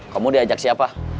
kamu diajak siapa